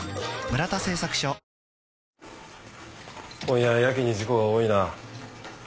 今夜はやけに事故が多いな。